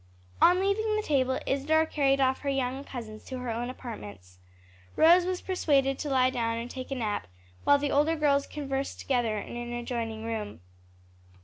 On leaving the table, Isadore carried off her young cousins to her own apartments. Rose was persuaded to lie down and take a nap, while the older girls conversed together in an adjoining room.